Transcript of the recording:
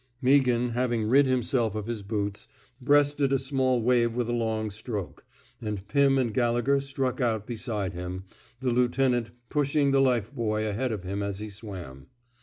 Meaghan, having rid himself of his boots, breasted a small wave with a strong stroke; and Pim and Gallegher struck out beside him, the lieutenant pushing the life buoy ahead of him as he swam.